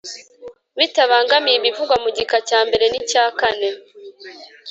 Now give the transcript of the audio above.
Bitabangamiye ibivugwa mu gika cya mbere n icya kane